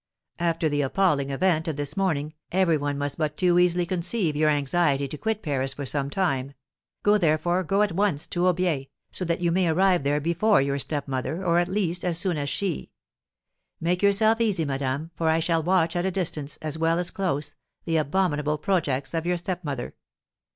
After the appalling event of this morning, every one must but too easily conceive your anxiety to quit Paris for some time; go, therefore, go at once, to Aubiers, so that you may arrive there before your stepmother, or, at least, as soon as she. Make yourself easy, madame, for I shall watch at a distance, as well as close, the abominable projects of your stepmother.